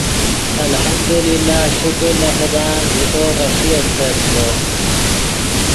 الحمد اللہ شکر لے خدان ژے تو غیݰے استت زو